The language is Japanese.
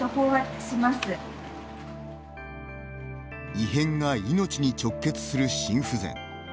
異変が命に直結する心不全。